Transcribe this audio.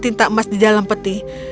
tinta emas di dalam peti